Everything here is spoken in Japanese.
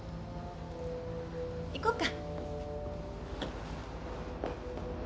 行こうか。